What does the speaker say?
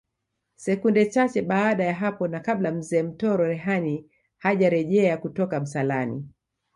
Sekunde chache baada ya hapo na kabla Mzee Mtoro Rehani hajarejea kutoka msalani